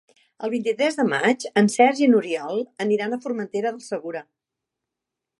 El vint-i-tres de maig en Sergi i n'Oriol aniran a Formentera del Segura.